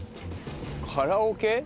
「カラオケ」？